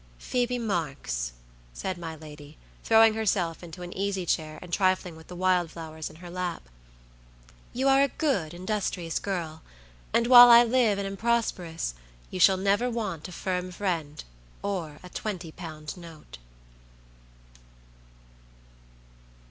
"Phoebe Marks," said my lady, throwing herself into an easy chair, and trifling with the wild flowers in her lap, "you are a good, industrious girl, and while I live and am prosperous, you shall never want a firm friend or a twenty pound note."